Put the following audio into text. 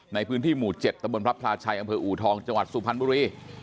ในพื้นที่หมู่๗ตะบนพระพลาชัยอำเภออูทองจังหวัดสุพรรณบุรี